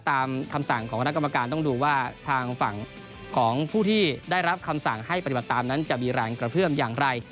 ตามคำสั่งของคณะกรรมการต้องดูว่าทางฝั่งของผู้ที่ได้รับคำสั่งให้ปฏิบัติตามนั้นจะมีแรงกระเพื่อมอย่างไร